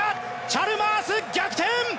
チャルマース、逆転！